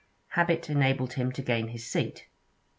Habit enabled him to gain his seat.